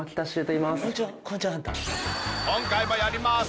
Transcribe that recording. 今回もやります